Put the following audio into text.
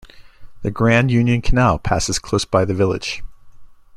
The Grand Union Canal passes close by the village.